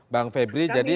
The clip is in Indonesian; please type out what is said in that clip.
bang febri jadi